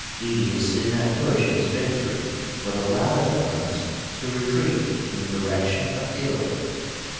Aetius did not push his victory, but allowed the Huns to retreat in the direction of Italy.